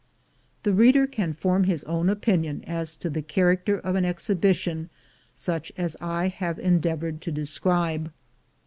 The reader can form his own opinion as to the character of an exhibition such as I have endeavored to describe.